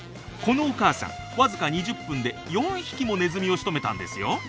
このお母さんわずか２０分で４匹もネズミをしとめたんですよ。